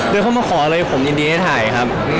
โดยเขามาขอเลยผมยินดีให้ถ่ายครับ